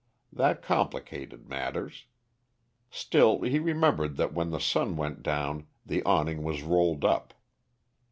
That complicated matters. Still he remembered that when the sun went down the awning was rolled up.